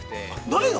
◆ないの？